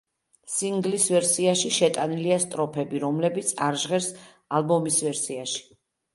სინგლის ვერსიაში შეტანილია სტროფები, რომლებიც არ ჟღერს ალბომის ვერსიაში.